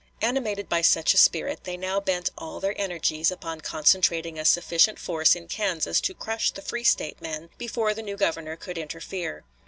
Animated by such a spirit, they now bent all their energies upon concentrating a sufficient force in Kansas to crush the free State men before the new Governor could interfere.